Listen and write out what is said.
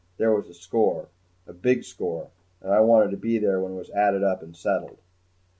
There was a score a big score and I wanted to be there when it was added up and settled.